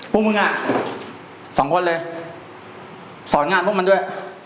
พวกมึงอ่ะสองคนเลยสอนงานพวกมันด้วย